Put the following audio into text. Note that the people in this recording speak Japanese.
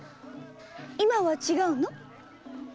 今は違うの？